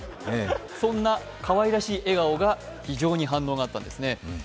そんなかわいらしい笑顔が非常に反応があったんですね。